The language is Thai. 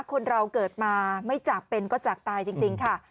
คนเราเกิดมาไม่จากเป็นก็จากตายจริงค่ะ